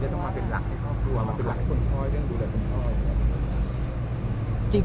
ต้องมาเป็นหลักให้ครอบครัวมาเป็นหลักให้คุณพ่อเรื่องดูแลคุณพ่อ